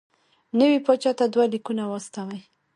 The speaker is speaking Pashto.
نوي پاچا ته دوه لیکونه واستوي.